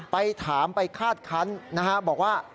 ไปถามไปคาดคันนะฮะบอกว่า